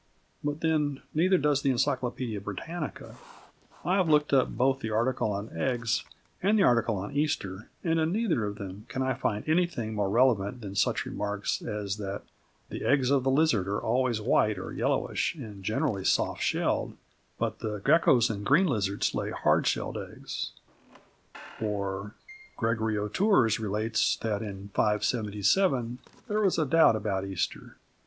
But then neither does The Encyclopædia Britannica. I have looked up both the article on eggs and the article on Easter, and in neither of them can I find anything more relevant than such remarks as that "the eggs of the lizard are always white or yellowish, and generally soft shelled; but the geckos and the green lizards lay hard shelled eggs" or "Gregory of Tours relates that in 577 there was a doubt about Easter."